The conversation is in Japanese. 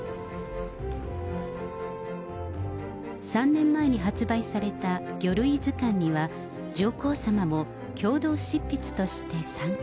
３年前に発売された魚類図鑑には、上皇さまも共同執筆として参加。